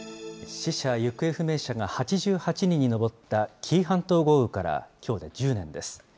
死者・行方不明者が８８人に上った紀伊半島豪雨からきょうで１０年です。